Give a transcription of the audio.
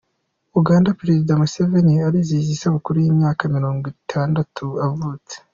Uganda Perezida Museveni arizihiza isabukuru y’imyaka mirongwitandatu avutse